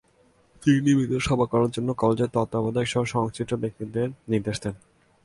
তিনি নিয়মিত সভা করার জন্য কলেজের তত্ত্বাবধায়কসহ সংশ্লিষ্ট ব্যক্তিদের নির্দেশ দেন।